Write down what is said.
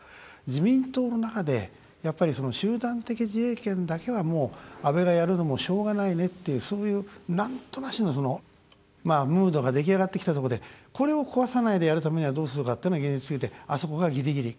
自民党の中で集団的自衛権だけは安倍がやるのもしょうがないねっていうそういう、なんとなしのムードが出来上がってきたとこでこれを壊さないでやるためにはどうするかっていうのは現実的に見て、あそこがギリギリ。